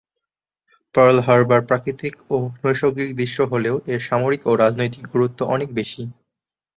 Pearl Harbor প্রাকৃতিক ও নৈসর্গিক দৃশ্য হলেও এর সামরিক ও রাজনৈতিক গুরুত্ব অনেক বেশি।